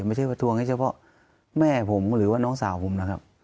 ไม่ใช่ว่าทวงให้เฉพาะแม่ผมหรือว่าน้องสาวผมนะครับ